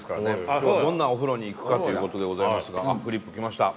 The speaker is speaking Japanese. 今日はどんなお風呂に行くかということでございますがあフリップ来ました。